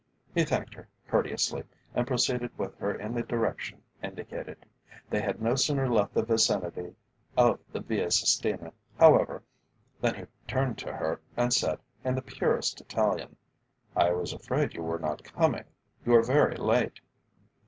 He thanked her courteously, and proceeded with her in the direction indicated. They had no sooner left the vicinity of the Via Sistina, however, than he turned to her and said, in the purest Italian: "I was afraid you were not coming. You are very late."